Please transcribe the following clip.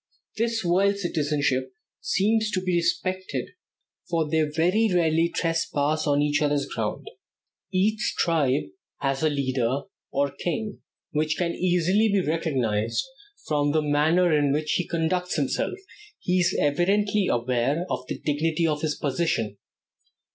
This wild citizenship seems to be respected, for they very rarely trespass on each other's ground. Each tribe has a leader, or king, which can easily be recognized, and from the manner in which he conducts himself, he is evidently aware of the dignity of his position.